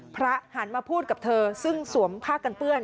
หันมาพูดกับเธอซึ่งสวมผ้ากันเปื้อน